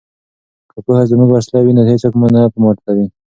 که پوهه زموږ وسله وي نو هیڅوک مو نه ماتوي.